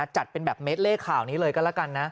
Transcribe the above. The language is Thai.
จัดเป็นแบบเมดเล่ข่าวนี้เลยก็แล้วกันนะ